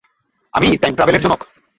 আমিই টাইম ট্রাভেলের জনক?